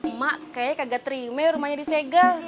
emak kayaknya kagak terima rumahnya disegel